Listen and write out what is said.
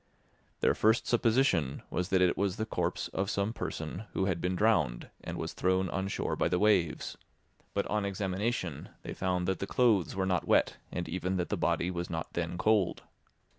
Their first supposition was that it was the corpse of some person who had been drowned and was thrown on shore by the waves, but on examination they found that the clothes were not wet and even that the body was not then cold.